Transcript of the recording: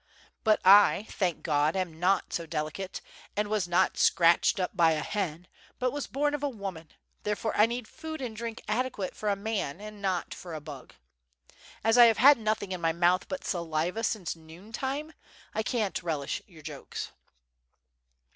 But I, thank God, am not so delicate, and was not scratched up by a hen, but was bom of a woman; therefore 1 need food and drink adequate for a man, and not for a bug. As I have had nothing in my mouth but saliva since noon time, I can't relish your jokes.''